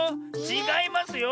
ちがいますよ。